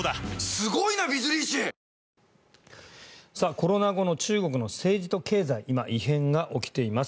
コロナ後の中国の政治と経済に今、異変が起きています。